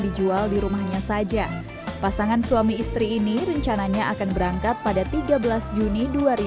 dijual di rumahnya saja pasangan suami istri ini rencananya akan berangkat pada tiga belas juni dua ribu dua puluh